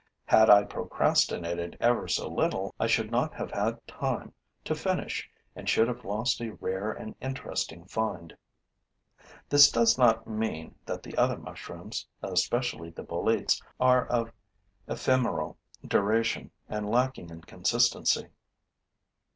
Had I procrastinated ever so little, I should not have had time to finish and I should have lost a rare and interesting find. This does not mean that the other mushrooms, especially the boletes, are of ephemeral duration and lacking in consistency.